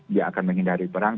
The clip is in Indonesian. dia akan menghindari perang